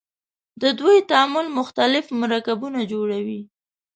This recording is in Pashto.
د دوی تعامل مختلف مرکبونه جوړوي.